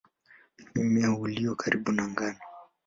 Ni mmea ulio karibu na ngano.